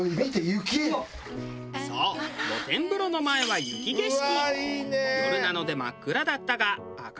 そう露天風呂の前は雪景色。